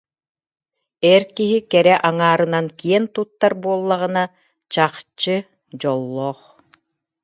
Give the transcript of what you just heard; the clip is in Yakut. Эр киһи кэрэ аҥаарынан киэн туттар буоллаҕына, чахчы, дьоллоох